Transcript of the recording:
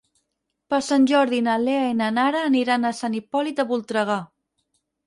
Per Sant Jordi na Lea i na Nara aniran a Sant Hipòlit de Voltregà.